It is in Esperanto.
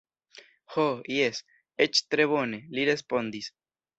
Ho jes, eĉ tre bone, li respondis.